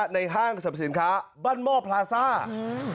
ห้างสรรพสินค้าบ้านหม้อพลาซ่าอืม